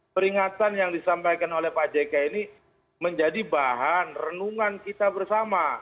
peringatan yang disampaikan oleh pak jk ini menjadi bahan renungan kita bersama